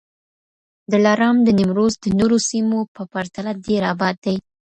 دلارام د نیمروز د نورو سیمو په پرتله ډېر اباد دی.